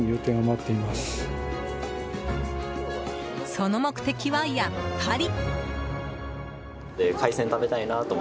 その目的はやっぱり。